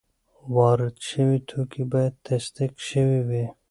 وارد شوي توکي باید تصدیق شوي وي.